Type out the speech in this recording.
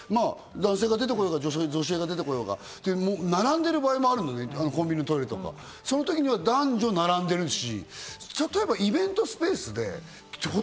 これが普通になっていて、男性が出てこようが、女性が出てこようが並んでいる場合もあるので、コンビニのトイレとかそういう時には男女並んでるし。